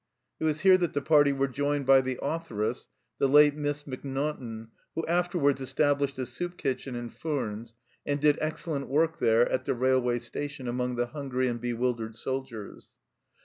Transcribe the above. It was here that the party were joined by the authoress, the late Miss Mac naughtan, who afterwards established a soup kitchen in Furnes, and did excellent work there at the railway station among the hungry and bewildered soldiers.